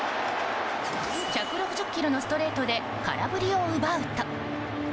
１６０キロのストレートで空振りを奪うと。